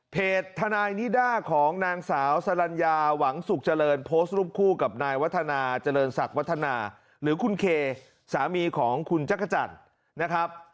ทนายนิด้าของนางสาวสลัญญาหวังสุขเจริญโพสต์รูปคู่กับนายวัฒนาเจริญศักดิวัฒนาหรือคุณเคสามีของคุณจักรจันทร์นะครับ